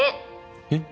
えっ？